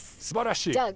すばらしい。